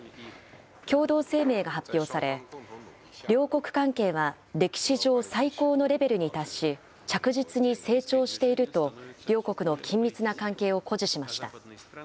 共同声明が発表され、両国関係は歴史上最高のレベルに達し、着実に成長していると、両国の緊密な関係を誇示しました。